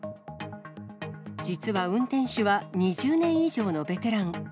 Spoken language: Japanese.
実は運転手は２０年以上のベテラン。